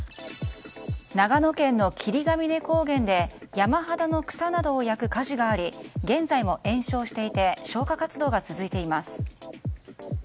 長野県の霧ヶ峰高原で山肌の草などを焼く火事があり現在も延焼していて消火活動が続いています。